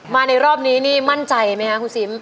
ในรอบนี้นี่มั่นใจไหมคะคุณซิม